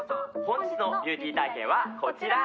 本日のビューティー体験はこちら！